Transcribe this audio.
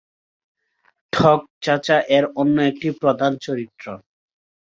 ‘ঠকচাচা’ এর অন্য একটি প্রধান চরিত্র।